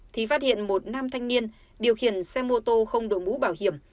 thì phát hiện một nam thanh niên điều khiển xe mô tô không đổi mũ bảo hiểm